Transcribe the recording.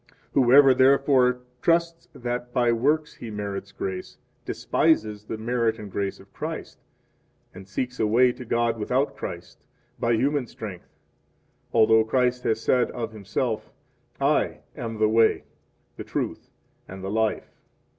10 Whoever, therefore, trusts that by works he merits grace, despises the merit and grace of Christ, and seeks a way to God without Christ, by human strength, although Christ has said of Himself: I am the Way, the Truth, and the Life.